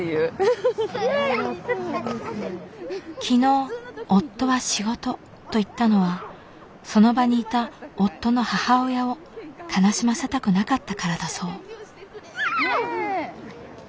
昨日「夫は仕事」と言ったのはその場にいた夫の母親を悲しませたくなかったからだそう。